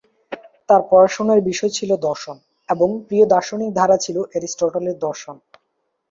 তার পড়াশোনার বিষয় ছিল দর্শন এবং তার প্রিয় দার্শনিক ধারা ছিল এরিস্টটল-এর দর্শন।